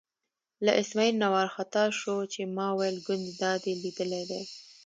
له اسمعیل نه وار خطا شو چې ما ویل ګوندې دا دې لیدلی دی.